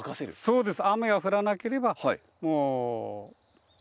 そうです。